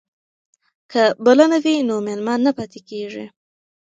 که بلنه وي نو مېلمه نه پاتې کیږي.